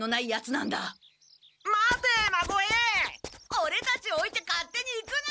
オレたちをおいて勝手に行くな！